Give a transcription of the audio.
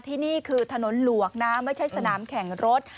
นี่คือถนนหลวกนะไม่ใช่สนามแข่งรถ